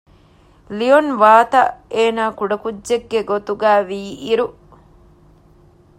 ލިއޮން ވާރތަށް އޭނާ ކުޑަކުއްޖެއްގެ ގޮތުގައިވީ އިރު